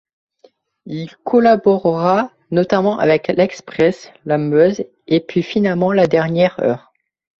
Il collaborera notamment à L'Express, La Meuse et puis finalement La Dernière Heure.